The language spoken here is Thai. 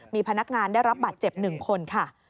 มีพนักงานได้รับบาดเจ็บ๑คนค่ะ